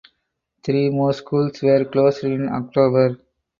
Three more schools were closed in October.